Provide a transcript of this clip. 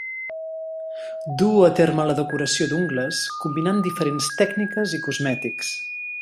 Duu a terme la decoració d'ungles combinant diferents tècniques i cosmètics.